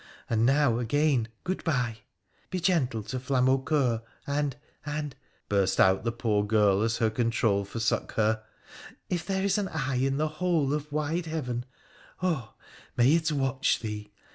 And now again, Good bye. Be gentle to Flamaucoeur, and — and,' burst out the poor girl, as her control forsook her —' if there is an eye in the whole o1 wide heaven, oh, may it watch thee